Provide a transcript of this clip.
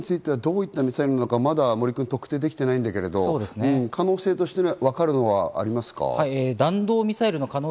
ミサイルについては、どういったミサイルなのか特定できていないけれど、可能性としてわかるのはありますか？